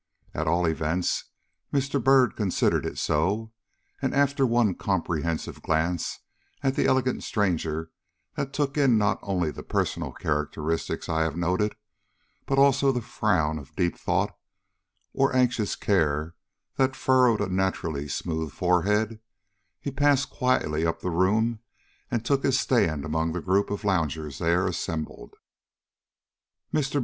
At all events Mr. Byrd considered it so; and, after one comprehensive glance at the elegant stranger, that took in not only the personal characteristics I have noted, but also the frown of deep thought or anxious care that furrowed a naturally smooth forehead, he passed quietly up the room and took his stand among the group of loungers there assembled. Mr.